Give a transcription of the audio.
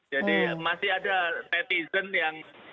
jadi masih ada netizen yang